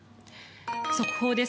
速報です。